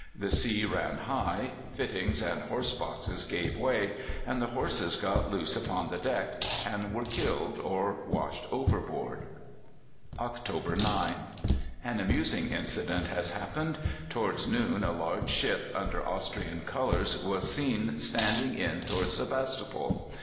The sea ran high: fittings and horse boxes gave way, and the horses got loose upon the deck, and were killed or washed overboard. "October 9. An amusing incident has happened. Towards noon a large ship, under Austrian colours, was seen standing in towards Sebastopol.